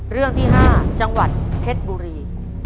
เรื่องที่๕จังหวัดเพชรบุรี